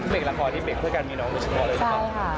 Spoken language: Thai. เป็นละครที่เป็นเพื่อกันมีน้องมันสำหรับเราเลยใช่ไหม